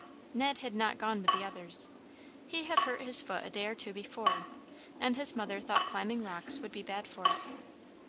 Ned had not gone with the others. He had hurt his foot a day or two before, and his mother thought climbing rocks would be bad for it.